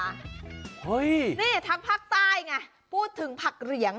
นี่ทางผักใต้ไงพูดถึงผักเหลียง